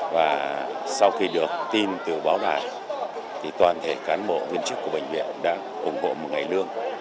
và sau khi được tin từ báo đài thì toàn thể cán bộ viên chức của bệnh viện đã ủng hộ một ngày lương